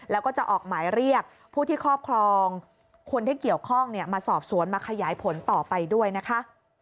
แล้วก็จะออกหมายเรียกผู้ที่ครอบครองคนที่เกี่ยวข้องมาสอบสวนมาขยายผลต่อไปด้วยนะคะ